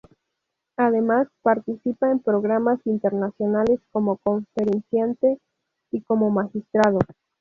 Además, participa en programas internacionales, como conferenciante y como magistrado.